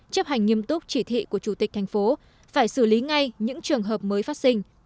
chấp hành nghiêm túc chỉ thị của chủ tịch thành phố phải xử lý ngay những trường hợp mới phát sinh